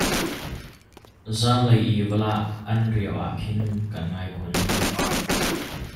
Zaanlei i valah an riau ah khin ka'an ngai khun.